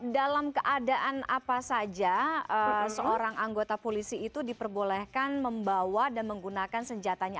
dalam keadaan apa saja seorang anggota polisi itu diperbolehkan membawa dan menggunakan senjatanya